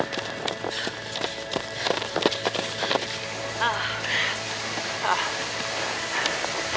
ああ。